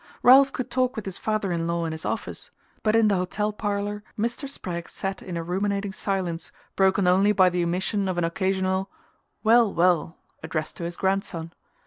Ralph could talk with his father in law in his office, but in the hotel parlour Mr. Spragg sat in a ruminating silence broken only by the emission of an occasional "Well well" addressed to his grandson.